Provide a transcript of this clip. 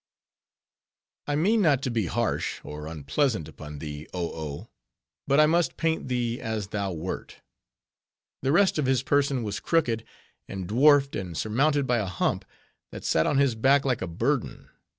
I mean not to be harsh, or unpleasant upon thee, Oh Oh; but I must paint thee as thou wert. The rest of his person was crooked, and dwarfed, and surmounted by a hump, that sat on his back like a burden.